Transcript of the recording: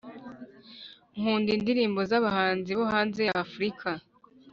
Nkunda indirimbo za abahanzi bo hanze y’afurika